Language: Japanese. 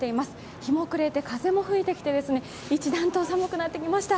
日も暮れて、風も吹いてきて一段と寒くなってきました。